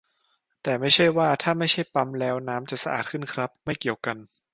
แต่ไม่ใช่ว่า ถ้าไม่ใช้ปั๊มแล้วน้ำจะสะอาดขึ้นครับ ไม่เกี่ยวกัน